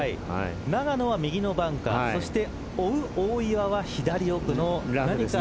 永野は右のバンカーそして追う大岩は左奥のバンカー。